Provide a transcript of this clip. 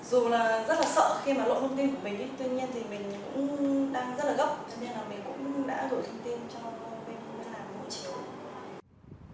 dù rất là sợ khi lộ thông tin của mình tuy nhiên mình cũng đang rất là gấp cho nên mình cũng đã đổi thông tin cho bên làm hộ chiếu